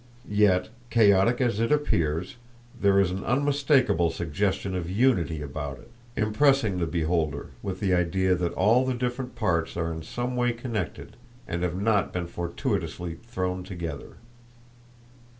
Yet, chaotic as it appears, there is an unmistakable suggestion of unity about it, impressing the beholder with the idea that all the different parts are in some way connected, and have not been fortuitously thrown together.